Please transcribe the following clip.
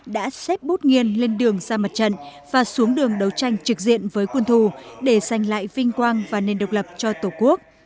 đã xếp bút nghiêng lên đường ra mặt trận và xuống đường đấu tranh trực diện với quân thù để giành lại vinh quang và nền độc lập cho tổ quốc